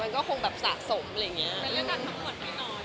มันก็คงแบบสะสมอะไรอย่างนี้